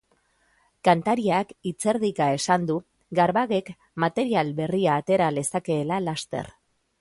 Kantariak hitz-erdika esan du garbagek material berria atera lezakeela laster.